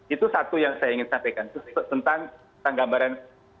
itu satu yang saya ingin sampaikan tentang gambaran